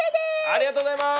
ありがとうございます！